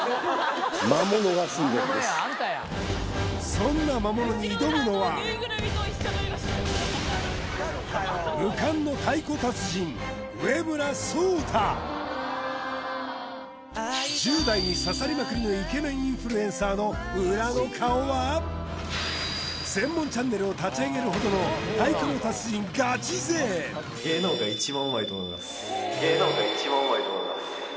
そんな魔物に挑むのは１０代に刺さりまくりのイケメンインフルエンサーの裏の顔は専門チャンネルを立ち上げるほどの太鼓の達人ガチ勢！と思いますと思います